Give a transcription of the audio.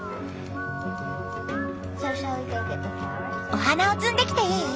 お花を摘んできていい？